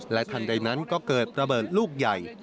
ทันใดนั้นก็เกิดระเบิดลูกใหญ่